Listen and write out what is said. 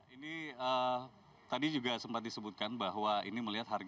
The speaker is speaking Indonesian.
ini tadi juga sempat disebutkan bahwa ini melihat harga